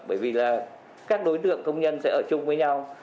bởi vì là các đối tượng công nhân sẽ ở chung với nhau